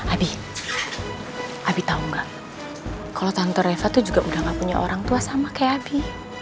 abi tahu nggak kalau tante reva tuh juga udah gak punya orang tua sama kayak abi